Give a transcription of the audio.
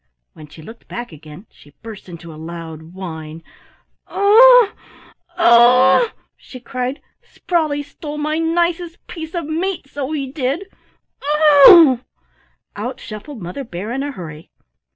When she looked back again she burst into a loud whine. "Ou u u! ou u u u!" she cried, "Sprawley stole my nicest piece of meat, so he did. Ou u u!" Out shuffled Mother Bear in a hurry.